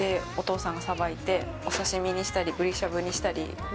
お刺し身にしたりブリしゃぶにしたり。